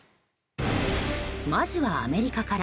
まずはアメリカから。